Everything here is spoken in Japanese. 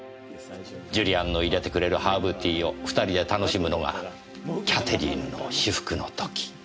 ジュリアンの入れてくれるハーブティーを２人で楽しむのがキャテリーヌの至福の時。